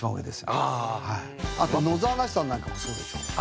あと野沢那智さんなんかもそうでしょ。